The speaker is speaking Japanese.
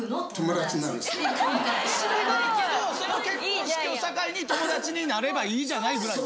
その結婚式を境に友達になればいいじゃないぐらいな。